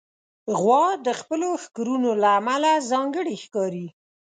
غوا د خپلو ښکرونو له امله ځانګړې ښکاري.